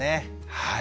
はい。